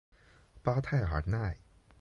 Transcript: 巴泰尔奈。